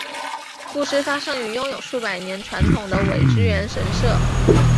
故事发生于拥有数百年传统的苇之原神社。